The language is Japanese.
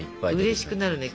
うれしくなるよね